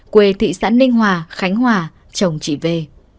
quê thị sản ninh hòa khánh hòa chồng chị vê